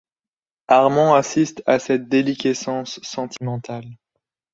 Armand assiste à cette déliquescence sentimentale.